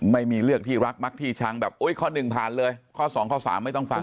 เลือกที่รักมักที่ชังแบบอุ้ยข้อหนึ่งผ่านเลยข้อสองข้อสามไม่ต้องฟัง